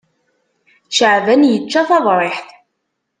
Caɛban yečča taḍriḥt.